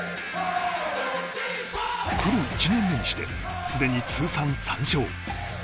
プロ１年目にしてすでに通算３勝。